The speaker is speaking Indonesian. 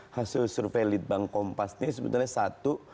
hasil survei litbang kompas ini sebetulnya satu